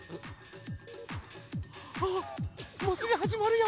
あもうすぐはじまるよ！